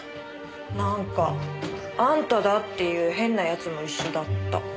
なんかあんただっていう変な奴も一緒だった。